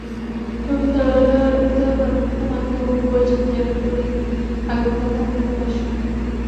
নবী সাল্লাল্লাহু আলাইহি ওয়াসাল্লাম তোমাকে হুকুম করছেন যেন তুমি আগামীকাল তাঁর নিকট আস।